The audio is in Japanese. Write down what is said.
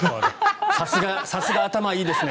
さすが頭いいですね。